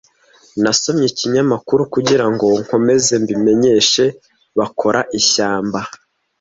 Nasomye ikinyamakuru kugirango nkomeze mbimenyeshe Bakora ishyamba.